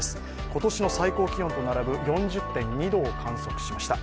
今年の最高気温と並ぶ４０．２度を観測しました。